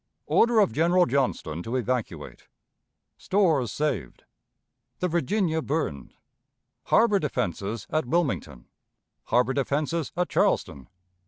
Order of General Johnston to evacuate. Stores saved. The Virginia burned. Harbor Defenses at Wilmington. Harbor Defenses at Charleston.